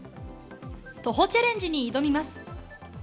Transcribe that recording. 徒歩チャレンジに挑みます！